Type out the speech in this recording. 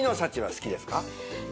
好きです。